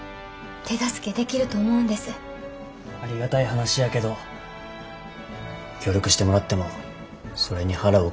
ありがたい話やけど協力してもらってもそれに払うお金がないとよ。